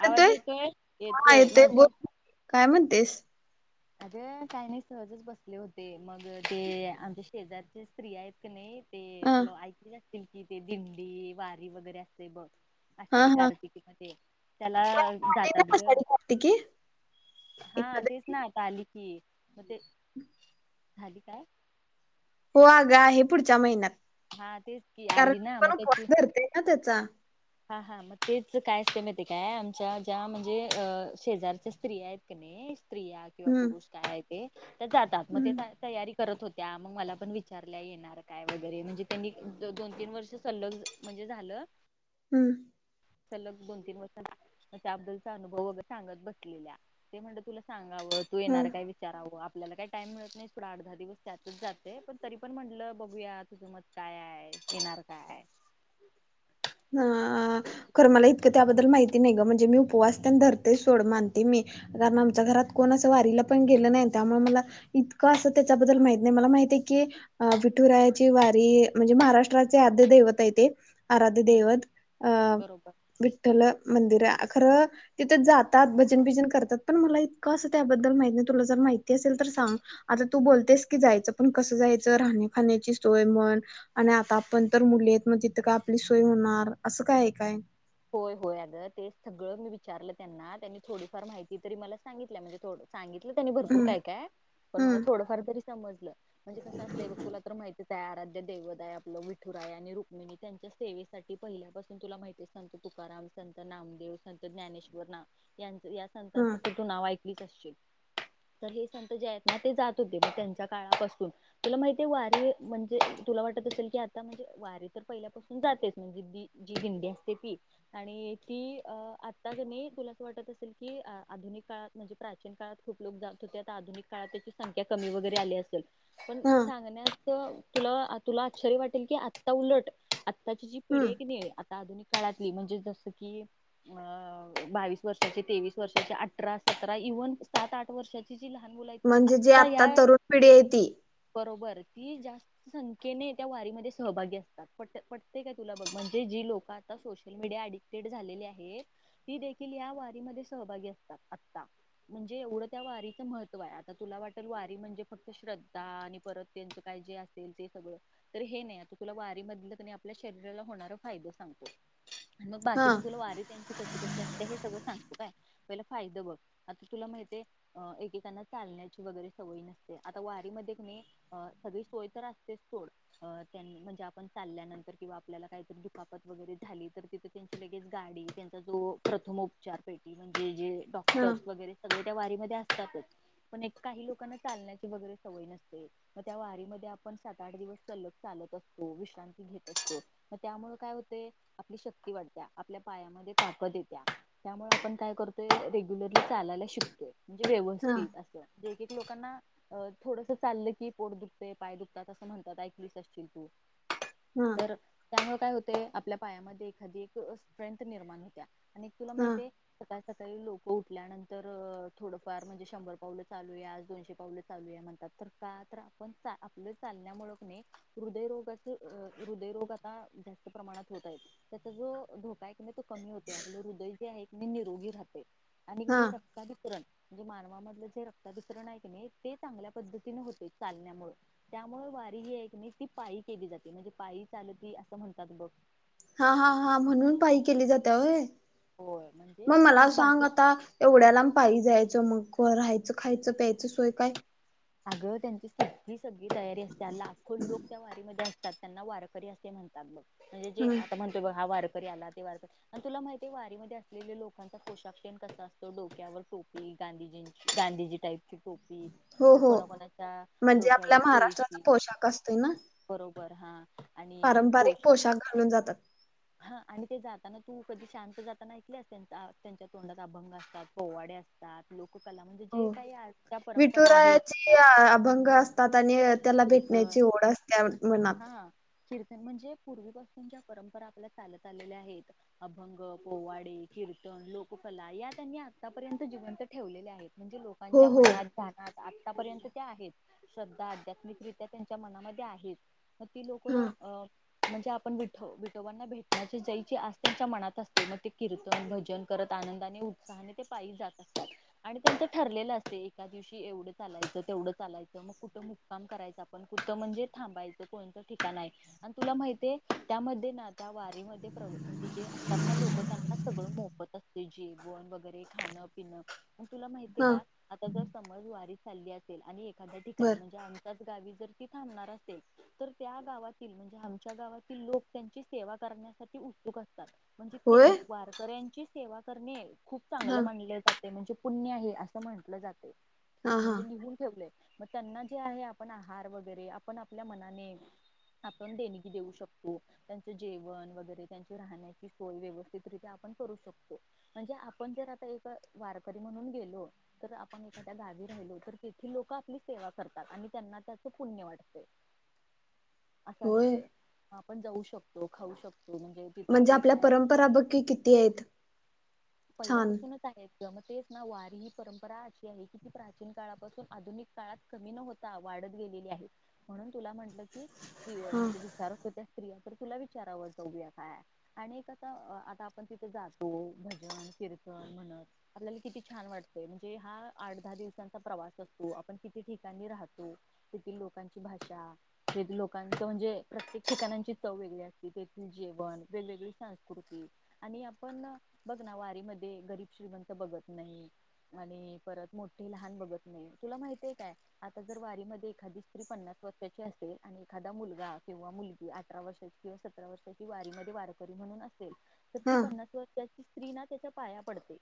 आवाज येतोय हा येतोय बोल माझा काय म्हणतेस अरे काही नाहीज सहजच बसले होते मग ते आमच्या शेजारचे स्त्रीया आहेत क नाही ते अ तुला ऐकलं ते दिंडी वारी वगैरे असते बघ हा आषाढी हा कार्तिकीमध्ये त्याला आली ना जातात ग आषाढी कार्तिकी हा एकादशी? तेच नाही तली की मग ते [unintelligible] झाली काय हो अ ग आहे पुढच्या महिन्यात हा तेच की कारण आली ना मग पण त्याची उपवास धरते ना त्याचा हा हा मग तेच काय असते माहिती काय आमच्या ज्या म्हणजे शेजारच्या स्त्रीया आहेत का नाही स्त्रिया किंवा हम्म पुरुष काय हे जातात मग ते हम्म तयारी करत होत्या मग मला पण विचारल्या येणार काय वगैरे म्हणजे त्यांनी दोन तीन वर्ष सल्लग म्हणजे झालं हम् सलग दोन तीन वर्ष अबदलचा अनुभव वगर सांगत बसलेल्या ते म्हणत तुला सांग तू येणार हम्म. काय विचारावं आपल्याला काही टाइम मिळत नाही थडा अठ दहा दिवस त्यातच जाते पण तरी पण म्हटलं बघूया तुझं मत काय आहे येणार काय ह खरं मला इतकं त्याबद्दल माहिती नाही ग म्हणजे मी उपवास त्यां धरते सोड मानते मी कारण आमच्या घरात कोण असं वारीला पण गेलं नाही त्यामुळे मला इतकं असं त्याच्याबद्दल माहित नाही मला माहती आहे की विठुरायाची वारी म्हणजे महाराष्ट्राचे आद्य दैवत आहे ते हम्म देव बरोबर विठल मंदिर खरं तिथ जातात भात पण मला इ त्याबद् मा तु मा असेल तर सांग आता तू बतेस कयच पण कसयच राची सोय आप मु तथ होणार असं काय काय होय होय अग ते सगळं मी विचारलं त्यांना त्यांनी थोडीफार माहिती तरी मला सांगितल्या म्हणजे थोडं सांगितलं त्यांनी भरपूर हम्म काय काय पण मला हम्म थोडंफार तरी समजलं म्हणजे कसं असतय बघ तुला तर माहिती त्या आराध्य देवदाय आपलं विठुरा आहे आणि रुक्मिणी त्यांच्या सेवेसाठी पहिल्यापासून तुला माहिती संत तुकाराम संत नामदेव संत ज्ञानेश्वर ना यां या संतांच हम्म तू नाव ऐकल तर हे संत जयत ना ते जात होते मग त्यांच्या काळापासून तुला माहितीे वारी म्हणजे तुला वाटत असेल की आता म्हणजे वारी तर पहिल्यापासून जातेच म्हणजे जी दिंडी अस आणि ती आता जमी तुलाच वाटत असेल की आधुनिक काळात म्हणजे प्राचीन काळात खूप लोक जात होते आता आधुनिक काळात त्याची संख्या कमी वगैरे आली असेल पण हम्म चांग ना [unintelligible] तुला तुला आश्चर्य वाटेल की आत्ता उलट आत्ताची जी पिढी हम्म आहे की नाही आधिक काळातली म्हणजे जस की अ बावीस वर्षाचे तेवीस वर्षाचे अठरा सतरा इव्हन सात आठ वर्षाची जी लहान मुलं आहेत ती म्हणजे जे आत्ता आता या तरुण पिढी आहे ती बरोबर ती जास्त संख्येने त्या वारीमध्ये सहभागी असतात प्रट प्रत्येक आहे तुला बघ म्हणजे जी लोकात आ सोशल मीडिया अडिक्टेड झालेली आहे ती देखील या वारी मध्ये सहभागी असतात आता म्हणजे एवढं त्या वारीच महत्त्व आहे आता तुला वाटल वारी म्हणजे फक्त श्रद्धा आणि परत त्यांच काय जे असेल ते सगळं तर हे नाही आता तुला वारी मधलंनी आपल्या शरीराला होणार फायदा सांगत आणि मग हा बाकी मग तुला वारी त्यांची कशी कशी असते हेगं सांग य पला फायद बघ आता तुला माहती एकेकांना चालण्याची वगैरे सवय नसते आता वारी म सगळी सोय तर असतेच सोड त्यां म्हणजे आपण चालल्यानंतर किंवा आपल्याला काहीतरी द वगैरे झाली तर तिथे त्यांची लगेच गाडी त्यांचा जो प्रथम उपचार पेटी म्हणजे जे हा डॉक्टर्स वगैरे सगळे त्या वारी म असतातच पण काही लोकांना लण्याची वगैरे सवय नसते मग त्या वारी म आपण सात आठ दिवस चालत असतो विश्रांती घेत असतो मग त्यामुळे काय ते आपली शक्ती वाढत्या आपल्या पायामध्ये ताकद येत्या त्यामुळे आपण काय करतोय रेग्युलरली चालायला शिकतोय म्हणजे हा व्यवस्थित असं एक एक लोकांना अ थोडंसं चाललं की पोट दुखते पाय दुखतात असं म्हणतात ऐकलीस असशील तू हा तर त्यामुळे काय होत ते आपल्या पायामध्ये एखादी एक स्ट्रेंथ निर्माण होत्या आणि तुला हा माहितय काही लोक उठल्यानंतर थोडंफार म्हणजे शंभर पावलं चालूया दोनशे पावलं चालू या म्हणतात तर का तर आपण आपलं चालण्यामुळ हृदयरोगाच हृदयरोग आता जात प्रमाणात होत त्याचा जो धोका कमी होते आपलं हृदय एक मी निरोगी राहते हा आणि रक्ताभिश्रण म्हणजे मानवामधलं जे रक्त भिश्रण आहे ते चांगल्या पद्धतीने होते चालण्यामुळे त्यामुळे वारी ही आहे की ती पायी केली जाते म्हणजे पायी चाल अस म्हण कात बक हा हा हा म्हणून पाय केली जाते होय होय म्हणजे मग मला तिथं सांग बाकी आता एवढ्या लांब पायी मग राहायचं खायचं प्यायचं सोय काय अगं त्यांची सती सगळी तयारी असते लाखो लोक त्या वारीमध्ये अस ात त्यांना वारकरी असे म्हणतात बघ म्हणजे जे हम्म आता म्हणतय बघ हा वार ला ते वार तुला माहिती वारी म असलेल्या लोकांचा पोशाख कसा असतो डोक्यावर टोपी गांधीजी गांधीजी टाईपची टोपी हो हो कोणाकोणाच्या म्हणजे आपल्या डोक्यावर महाराष्ट्राचा तुळशी पोशाख असतोय ना बरोबर हा आणि पारंपरिक पोशा पोशाख घालून जातात हा आणि ते जाताना तू कधी शांत जाताना ऐकले अस त्यां त्यांच्या तोंडात अभंग असतात पोवाडे असतात लोक कला म्हणजे हो जे काही आजच्या परंपरा आहेत विठुरायाचे अभंग असतात त्याला कीर्तन भेटण्याची ओढ असल्या मनात हा कीर्तन म्हणजे पूर्वीपासून ज्या परंपरा आपल्या चालत आलेल्या आहेत अभंग पोवाडे कीर्तन लोककला या त्यांनी आतापर्यंत जिवंत ठेवलेल्या आहेत म्हणजे हो लोकांच्या हो मनात जाणार आतापर्यंत ते आहेत श्रद्धा अद्या क्रित्या त्यांच्या मनामध्ये आहेत ती लोक हा अं म्हणजे आपण विठो विठोबांना भेटण्याची जयची आज त्यांच्या मनात असते मग ते कीर्तन भजन करत आनंदाने उत्साहाने ते पायी जात असतात आणि त्यांचं ठरलेलं असते एका दिवशी एवढं चालायचं तेवढं चालायचं मग कुठं मु काम करायच आपण कुठं म्हणजे थांबायचं कोणतं ठिकाण आहे आणि तुला माहितय त्यामध्ये ना त्या वारीमध्ये ते असतात ना लोक त्यांना सगळं मोफत असते जेवण वगैरे खाणं पिणं म तुला माहती आहे हा का आता जर समज वारी चालली असेल आणि एका ठिकाणी बर म्हणजे आम्ही त्याच गावी जर ती थांबणार असेल तर त्या गावातील म्हणजे आमच्या गावातील लोक त्यांची सेवा करण्यासाठी उत्सुक असतात म्हणजे ते होय वारकऱ्यांची सेवा करणे खूप चांगलं हा मानले जातात म्हणजे पुण्य आहे असं म्हटलं जातं हा हा म्हणजे लिहून ठेवलय मग त्यांना जे आहे आहार वगैरे आपण आपल्या मनाने आपण देणगी देऊ शकतो त्यांच जेवण वगैरे त्यांची राहण्याची सोय व्यवस्थित रित्या आपण करू शकतो म्हणजे आपण जर आता एक वारकरी म्हणून गेलो तर आपण एखाद्या गावी राहिलो तर तेथील लोक आपली सेवा करतात आणि त्यांना त्याच पुण्य वाटते असं होय असते ह आपण जाऊ शकतो खाऊ शकतो तिथं म्हणजे आपले आपल्या काय परंपरा बक्की किती आहेत छान जमतेच ना वारी ही परंपरा अशी आहे की ती प्राचीन काळापासून आधुनिक काळात कमी न होते वाढत गेलेली आहे म्हणून तुला म्हटल की हि हा म्हणजे विचारत होते त्या स्त्रिया तर तुला विचारावं जाऊया काय आणि आता आता आपण तिथे जातो भजन कीर्तन म्हणत आपल्याला किती छान वाटतय म्हणजे हा आठ दहा दिवसांचा प्रवास असतो आपण किती ठिकाणी राहतो तेथील लोकांची भाषा तेथ लोकांच म्हणजे प्रत्येक ठिकाणांची चव वेगळी असती तेथील जेवण वेगवेगळी संस्कृती आणि आपण बघ ना वारी मध्ये गरीब श्रीमंत बघत नाही आणि परत मोठे लहान बघत नाही तुला माहती आहे काय आता जर वारी म एखादी स्त्री पन्नास वर्षाची असेल आणि एखादा मुलगा किंवा मुलगी अठरा वर्षाची किंवा सतरा वर्षाची वारी म वारकरी म्हणून अस तर ती हा पन्नास वर्षाची तीना त्याच्या पाया पडते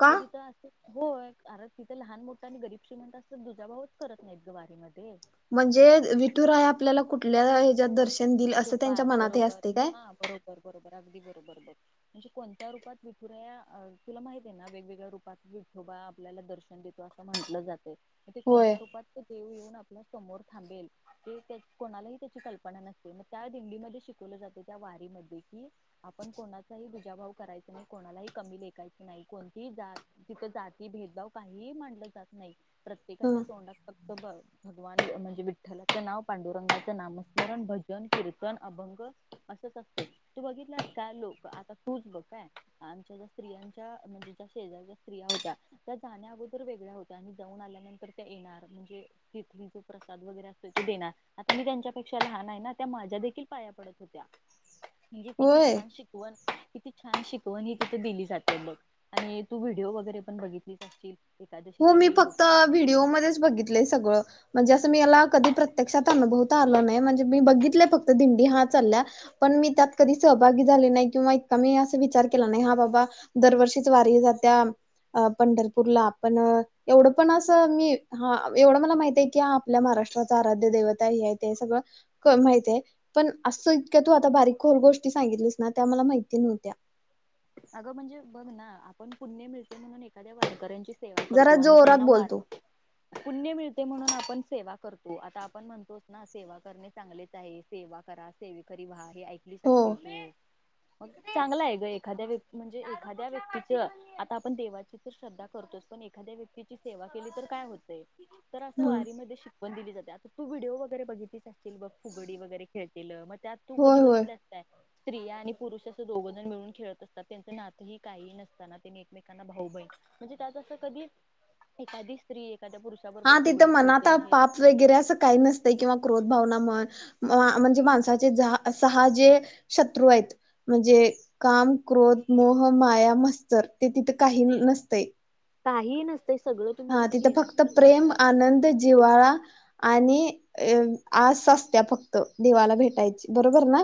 का हे तिथं अस होय कारन तिथं लहान मोठं आणि गरीब श्रीमंत दुजा भाऊच करत नाहीत गं वारीमध्ये म्हणजे विटूराया आपल्याला कुठ ल्या हच्यात दर्शन दिल असं त्यांच्या तुपात मनात हे बरोबर असतय काय हा बरोबर बरोबर अगदी म्हणजे कोणत्या रूपात विठु राया अं तुला माहित आहेे, ना वेगवेगळ्या रूपात विठोबा आपल्याला दर्शन देतो असं म्हटलं जातं. ते होय. कोणत्या रूपात देेव येऊन आपल्या समोर थांबेल ते त्या कोणालाही त्याची कल्प पण नसते मग त्या दिल्लीमध्ये शिकवलं जाते त्या वारी मध्ये कि आपण कोणाचाही भुजाभाव करायच नाही, कोणालाही कमी लेखाचं नाही कोणतीही तिथ जाती भेदभाव काहीही मडलं जात नाही. ह प्रत्येकाच्या तोंडात फक्त भगवान म्हणजे विठ्ठलाचं नाव पांडुरंगाचं नामसं कारण भजन कीर्तन अभंग असंच असतयं तू बघितलास का लोक आता तूच बघ काय आमच्या ज्या स्त्रियांच्या म्हणजे ज्या शेजारीच्या स्त्रिया होत्या त्या जाण्या अगोदर वेगळ्या होत्या आणि जाऊन आल्यानंतर त्या येणार म्हणजे तिथली जे प्रसाद वगैरे असतो देणार आता मी ज्यांच्यात पेक्षा लहान आहे ना त्या माझ्या देखील पाया पडत होत्या. म्हणजे किती होय छान शिकवण. किती छान शिकवण ही तिथे दिली जाते बगं आणि तू व्हिडिओ वगैरे पण बघितलीच असील. हो मी फक्त व्हिडिओमध्येच बघितलंय सगळं म्हणजे असं मीला कधी प्रत्यक्षात अनुभवता आलं नाही, म्हणजे मी बघितल्या फक्त दिंडी हा चाल्या पण मी त्यात कधी सहभागी झाले नाही किंवा इतका मी अस विचार केला नाही हा बाबा दरवर्षीच वारी जात्या अं पंढरपूरला. पण एवढं पण असं मी हा एवढं मला माहित हाय की हा आपल्या महाराष्ट्राच आराध्य दैवत हाय हे हाय ते हाय सगळं माहित आहे, पण असं इतक्या तू आता बारीक खोलं गोष्टी सांगितलीस ना त्या मला माहिती नव्हत्या. अगं म्हणजे बघ ना आपण पुण्य मिळते म्हणून एखाद्या वनकऱ्यांची जरा जोरात बोल तू! पुण्य मिळते म्हणून आपण सेवा करतो, आता आपण म्हणतोच ना सेवा करणे चांगलेच आहे, सेवा करा सेवेकरी व्हा. हे ऐकलीच हो असतील तू. मग चांगल हाय गं एखाद्या व्यती म्हणजे एखाद्या व्यक्तीच आता आपण देवाची तर श्रद्धा करतोच, पण एखाद्या व्यक्तीची सेवा केली तर काय होतयं. तर ह असं वारीमध्ये शिक वन दिली जाते पण आता तू विडिओ वगैरे बघितली अं संतील फुगडी वगैरे खेळतेल म त्यात तू कधी होय होय. बघितल्यास काय? स्त्रिया आणि पुरुष असं दोघ जण मिळून खेळत असतात. त्यांच नातं ही काही नसताना त्यांनी एकमेकांना भाऊ बहीण म्हणजे त्यात असं कधी एखादी स्त्री एखाद्या हा पुरुषाबरोबर तिथं फुगडी मनात खेळते तं हे पाप वगैरे असं काही नसतयं किंवा क्रोध भावना म्हण म्हणजे माणसाचे सहा जे शत्रू हायत, म्हणजे काम, क्रोध, मोह, माया, मस्तर ते तिथे काही नसतयं. काही ही नस हा तिथं फक्त प्रेम, आनंद, जिवाळा आणि ऐ आस असत्या फक्त देवाला भेटायची बरोबर ना?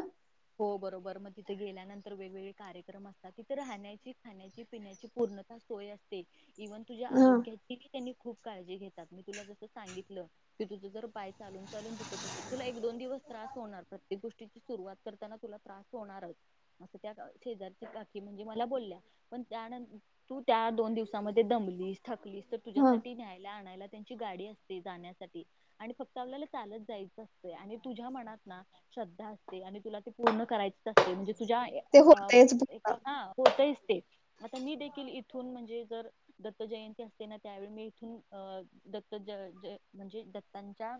हो बरोबर मग तिथे गेल्यानंतर वेगवेगळे कार्यक्रम असतात. तिथे राहण्याची, खाण्याची, पिण्याची पूर्णता सोय असते. इव्हन तुझ्या हा आरोग्याची ही त्यांनी खूप काळजी घेतात मी तुला जस सांगितलं की तुझं जर पाय चालून चालून दुखत असतील तुला एक दोन दिवस त्रास होणार प्रत्येक गोष्टीची सुरुवात करताना तुला त्रास होणारचं. असं त्या शेजारची काकी म्हणजे मला बोलल्या, पण त्यानं तू त्या दोन दिवसामध्ये दमलीस थकलीस तर हा तुझ्यासाठी न्यायंला आणायला त्यांची गाडी असते जाण्यासाठी आणि फक्त आपल्याला चालत जायचं असतं, आणि तुझ्या मनात ना श्रद्धा असते आणि- तुला ते पूर्ण करायच असते म्हणजे तुझ्या ए ते अ होतयच फक्त हां होतयच - ते आता मी देखील इथून म्हणजे जर, दत्त जयंती असते ना, त्यावेळी मी इथून अ दत्त जय जय म्हणजे, दत्तांच्या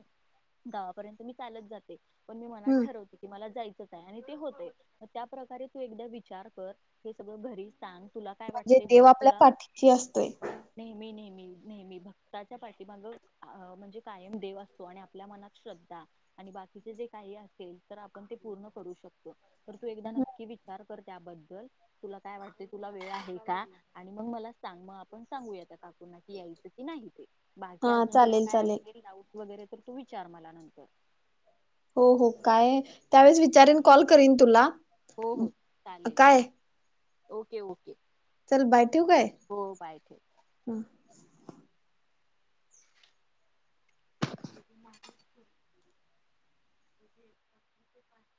गावापर्यंत मी चालत जाते. पण मी मनात हम्म ठरवते की मला जाय- चाय आणि ते होतय त्या प्रकारे तू एकदा विचार कर, हे सगळ घरी सांग. तुला काय म्हणजे वाटते देव बघ आपल्या तुला पाठीशी असतोय. नेहमी नेहमी नेहमी भक्ताच्या पाठीमाग म्हणजे कायम देव असतो आणि आपल्या मनात श्रद्धा आणि बाकीचे जे काही असेल तर आपण ते पूर्ण- करू शकतो. तर तू एकदा नक्की विचार कर? त्याबद्दल! तुला काय वाटते तुला वेळ आहे का? आणि मग मला सांग मग आपण सांगूया त्या काकूंना कि यायचं की नाही! बाकी हा अजून तुला चालेल काय चालेल असेल डाऊट वगैरे- तू विचार मला नंतर. हो हो काय त्यावेळेस विचारीन कॉल करीन तुला. हो हो चालेल. काय ओके ओके. चल बाय ठेवू काय? हो बाय ठेव हं [inaudible]